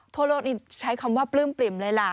ทั่วโลกนี้ใช้คำว่าปลื้มปริ่มเลยล่ะ